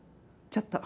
ちょっと。